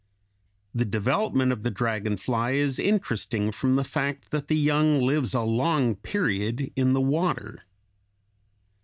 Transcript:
] The development of the dragon fly is interesting from the fact that the young lives a long period in the water.